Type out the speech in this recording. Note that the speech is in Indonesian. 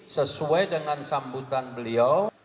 sesuai dengan sambutan beliau